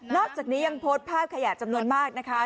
อกจากนี้ยังโพสต์ภาพขยะจำนวนมากนะคะ